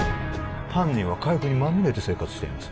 犯人は火薬にまみれて生活しています